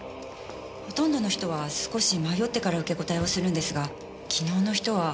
ほとんどの人は少し迷ってから受け答えをするんですが昨日の人は。